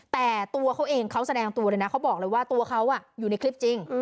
แต่ตัวเขาเองเขาแสดงตัวเลยนะเขาบอกเลยว่าตัวเขาอยู่ในคลิปจริง